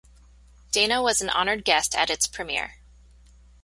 Dana was an honored guest at its premiere.